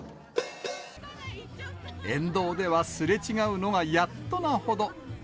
沿道ではすれ違うのがやっとのほど。